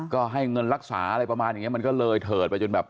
ก็ให้เงินรักษาอะไรประมาณอย่างนี้มันก็เลยเถิดไปจนแบบ